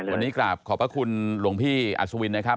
วันนี้กราบขอบพระคุณหลวงพี่อัศวินนะครับ